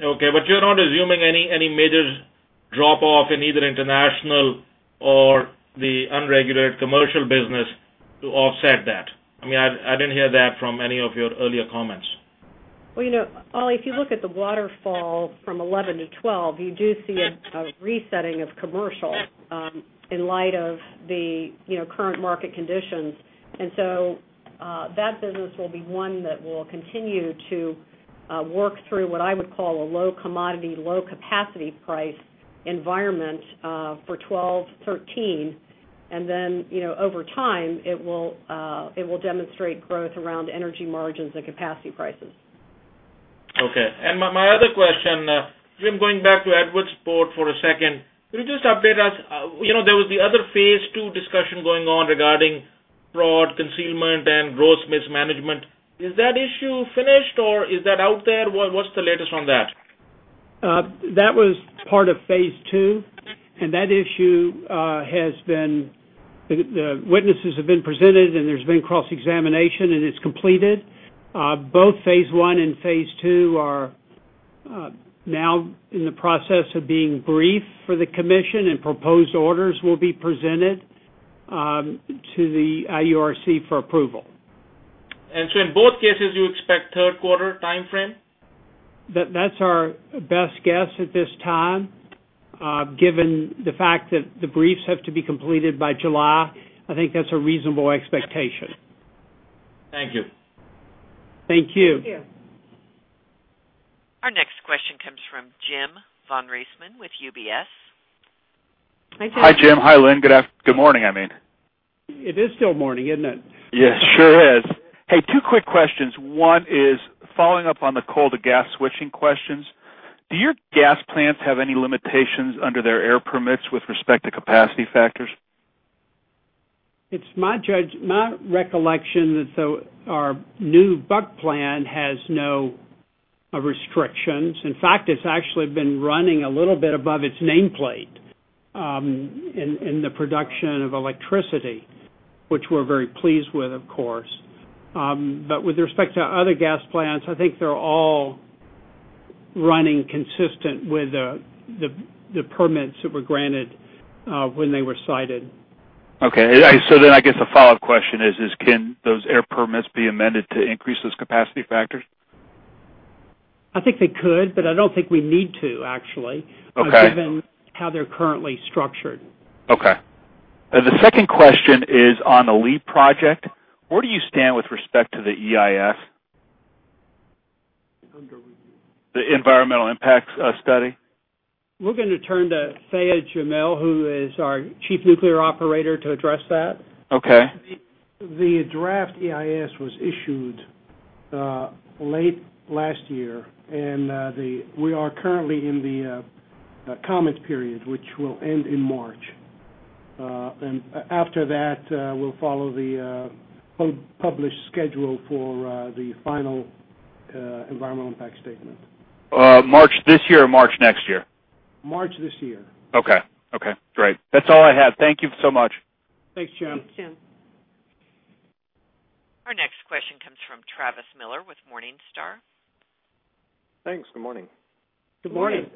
Okay. You are not assuming any major drop-off in either international or the unregulated commercial business to offset that. I mean, I did not hear that from any of your earlier comments. If you look at the waterfall from 2011-2012, you do see a resetting of commercial in light of the current market conditions. That business will be one that will continue to work through what I would call a low commodity, low capacity price environment for 2012, 2013. Over time, it will demonstrate growth around energy margins and capacity prices. Okay. My other question, Jim, going back to Edwardsport for a second, could you just update us? There was the other phase II discussion going on regarding fraud, concealment, and gross mismanagement. Is that issue finished or is that out there? What's the latest on that? That was part of phase II. That issue has been, the witnesses have been presented, and there's been cross-examination, and it's completed. Both phase I and phase II are now in the process of being briefed for the commission, and proposed orders will be presented to the IURC for approval. In both cases, you expect third quarter timeframe? That's our best guess at this time. Given the fact that the briefs have to be completed by July, I think that's a reasonable expectation. Thank you. Thank you. Our next question comes from Jim von Riesemann with UBS. Hi, Jim. Hi, Lynn. Good morning. It is still morning, isn't it? Yeah, sure is. Hey, two quick questions. One is following up on the coal-to-gas switching questions. Do your gas plants have any limitations under their air permits with respect to capacity factors? It's my recollection that our new Buck plant has no restrictions. In fact, it's actually been running a little bit above its nameplate in the production of electricity, which we're very pleased with, of course. With respect to other gas plants, I think they're all running consistent with the permits that were granted when they were cited. Okay. I guess the follow-up question is, can those air permits be amended to increase those capacity factors? I think they could, but I don't think we need to, actually, given how they're currently structured. Okay. The second question is on the LEAP project. Where do you stand with respect to the EIF? The Environmental Impacts Study? We're going to turn to Dhiaa Jamil, who is our Chief Nuclear Operator, to address that. Okay. The draft EIS was issued late last year, and we are currently in the comments period, which will end in March. After that, we'll follow the published schedule for the final Environmental Impact Statement. March this year or March next year? March this year. Okay. Great. That's all I have. Thank you so much. Thanks, Jim. Our next question comes from Travis Miller with Morningstar. Thanks. Good morning. Good morning.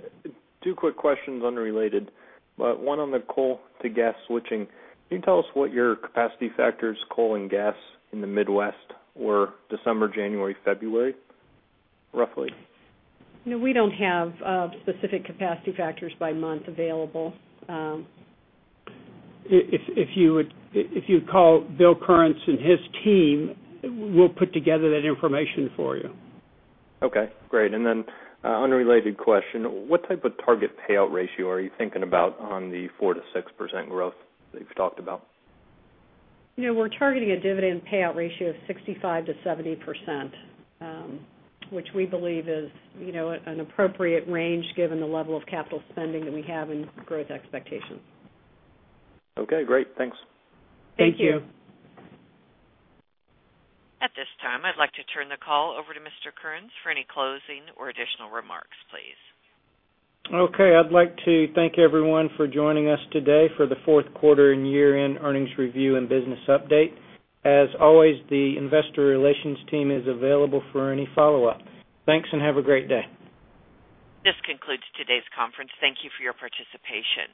Two quick questions unrelated, but one on the coal-to-gas switching. Can you tell us what your capacity factors, coal and gas, in the Midwest were December, January, February, roughly? You know, we don't have specific capacity factors by month available. If you would call Bill Currens and his team, we'll put together that information for you. Okay. Great. An unrelated question. What type of target payout ratio are you thinking about on the 4% to 6% growth that you've talked about? We're targeting a dividend payout ratio of 65%-70%, which we believe is an appropriate range given the level of capital spending that we have and growth expectations. Okay. Great. Thanks. Thank you. At this time, I'd like to turn the call over to Mr. Currens for any closing or additional remarks, please. Okay. I'd like to thank everyone for joining us today for the fourth quarter and year-end earnings review and business update. As always, the Investor Relations team is available for any follow-up. Thanks and have a great day. This concludes today's conference. Thank you for your participation.